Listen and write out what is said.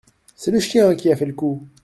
C’est le chien qui a fait le coup.